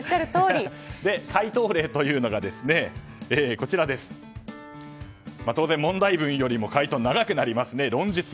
解答例というのが当然、問題文よりも回答が長くなりますね。